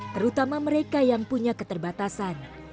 terutama mereka yang punya keterbatasan